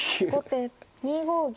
後手２五銀。